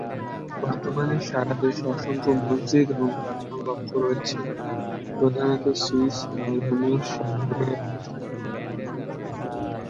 বর্তমানে সারা দেশে অসংখ্য মসজিদ এবং প্রার্থনা কক্ষ রয়েছে, প্রধানত সুইস মালভূমির শহুরে অংশে।